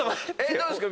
どうですか？